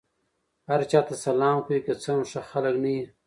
هر چا ته سلام کوئ! که څه هم ښه خلک نه يي.